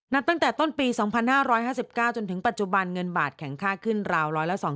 ตั้งแต่ต้นปี๒๕๕๙จนถึงปัจจุบันเงินบาทแข็งค่าขึ้นราว๑๒๐๐